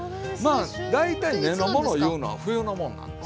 まあ大体根のものいうのは冬のもんなんです。